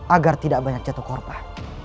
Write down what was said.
agar tidak banyak jatuh korban